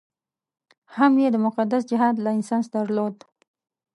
هم یې د مقدس جهاد لایسنس درلود.